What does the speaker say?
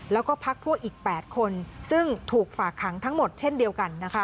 แล้วก็พักพวกอีก๘คนซึ่งถูกฝากขังทั้งหมดเช่นเดียวกันนะคะ